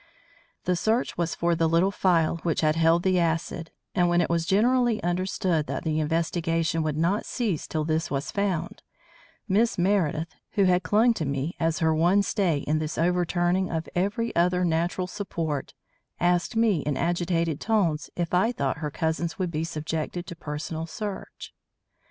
The search was for the little phial which had held the acid, and when it was generally understood that the investigation would not cease till this was found, Miss Meredith, who had clung to me as her one stay in this overturning of every other natural support, asked me in agitated tones if I thought her cousins would be subjected to personal search.